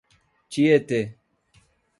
Tietê